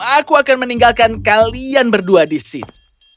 aku akan meninggalkan kalian berdua di sini